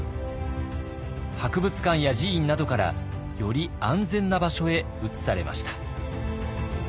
博物館や寺院などからより安全な場所へ移されました。